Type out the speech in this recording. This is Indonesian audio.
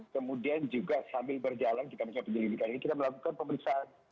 kemudian juga sambil berjalan kita mencari penyelidikan ini kita melakukan pemeriksaan